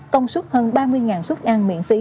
công suất hơn ba mươi xuất ăn miễn phí